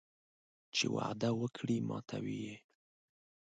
چې وعده وکړي ماتوي یې